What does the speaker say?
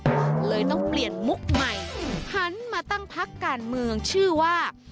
นำเราเปลี่ยนมุ่งใหม่หันมาตั้งพรรคการเมืองชื่อว่า